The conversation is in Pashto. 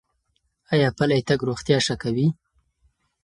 ایا پلی تګ روغتیا ښه کوي؟